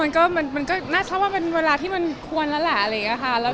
มันก็น่าจะเป็นเวลาที่มันควรแล้วแหละ